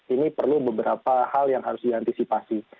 ini perlu beberapa hal yang harus diantisipasi